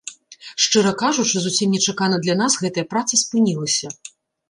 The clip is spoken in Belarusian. Шчыра кажучы, зусім нечакана для нас гэтая праца спынілася.